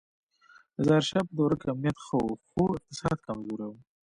د ظاهر شاه په دوره کې امنیت ښه و خو اقتصاد کمزوری و